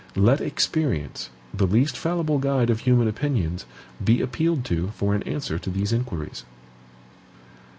Let experience, the least fallible guide of human opinions, be appealed to for an answer to these inquiries.